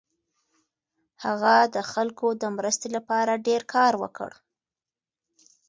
هغه د خلکو د مرستې لپاره ډېر کار وکړ.